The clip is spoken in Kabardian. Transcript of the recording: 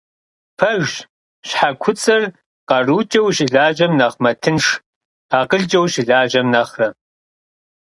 Пэжщ, щхьэ куцӀыр къарукӀэ ущылажьэм нэхъ мэтынш, акъылкӀэ ущылажьэм нэхърэ.